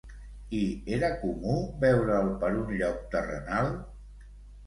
I era comú veure'l per un lloc terrenal?